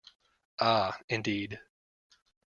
Ah, indeed.